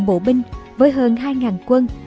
bộ binh với hơn hai quân